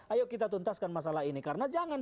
ayo kita tuntaskan masalah ini karena jangan